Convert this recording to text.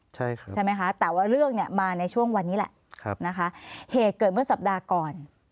ใช่ไหมคะแต่ว่าเรื่องเนี่ยมาในช่วงวันนี้แหละนะคะเหตุเกิดเมื่อสัปดาห์ก่อน